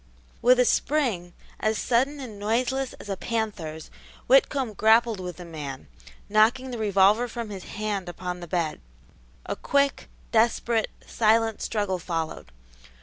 With a spring, as sudden and noiseless as a panther's, Whitcomb grappled with the man, knocking the revolver from his hand upon the bed. A quick, desperate, silent struggle followed.